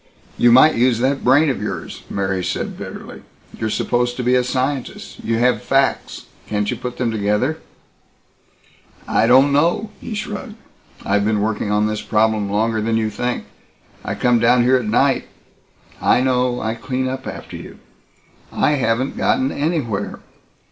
"You might use that brain of yours," Mary said bitterly. "You're supposed to be a scientist. You have facts. Can't you put them together?" "I don't know." He shrugged, "I've been working on this problem longer than you think. I come down here at night " "I know. I clean up after you." "I haven't gotten anywhere.